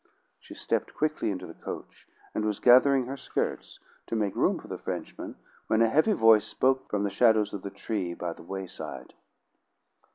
She stepped quickly into the coach, and was gathering her skirts to make room for the Frenchman, when a heavy voice spoke from the shadows of the tree by the wayside.